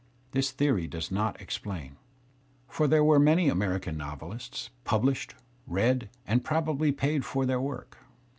This theory does not explain. For there were many American noveUsts, published, read, and probably paid for {their work.